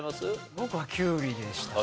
僕はキュウリでしたね。